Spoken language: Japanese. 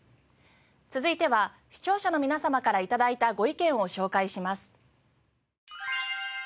続いては視聴者の皆様から頂いたご意見を紹介します。